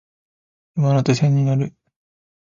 山手線に乗る